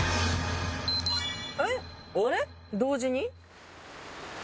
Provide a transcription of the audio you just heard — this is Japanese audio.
えっ？同時に？